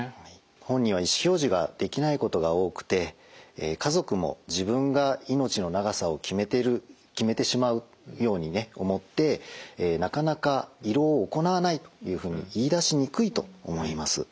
本人は意思表示ができないことが多くて家族も自分が命の長さを決めてしまうように思ってなかなか胃ろうを行わないというふうに言いだしにくいと思います。